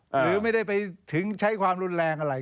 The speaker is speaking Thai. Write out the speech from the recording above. หรือไม่ได้ไปถึงใช้ความรุนแรงอะไร